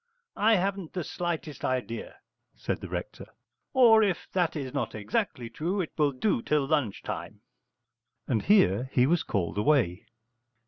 'I haven't the slightest idea,' said the rector, 'or, if that is not exactly true, it will do till lunch time.' And here he was called away.